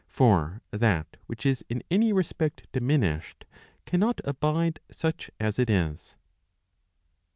For that which is in any respect diminished, cannot abide such as it is.